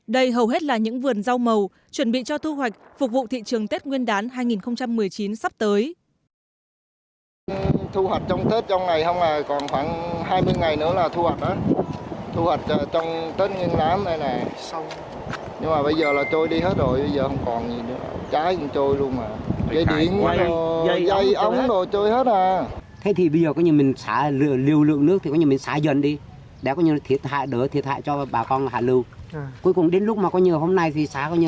đây hầu hết là những vườn rau màu chuẩn bị cho thu hoạch phục vụ thị trường tết nguyên đán hai nghìn một mươi chín sắp tới